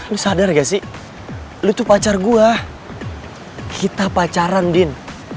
lu sadar gak sih lu tuh pacar gue kita pacaran din